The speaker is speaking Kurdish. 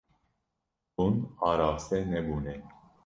Hûn araste nebûne.